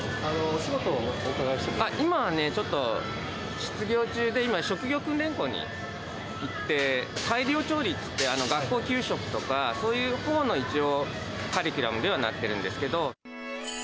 お仕事をお伺いしてもいいで今はちょっと失業中で、今、職業訓練校に行って、大量調理っていって、学校給食とかそういうほうの、一応、カリキュラムではなってるんですけど。